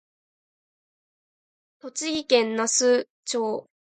栃木県那須町